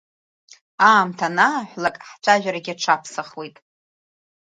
Аамҭа анааҳәлак ҳцәажәарагьы аҽаԥсахуеит.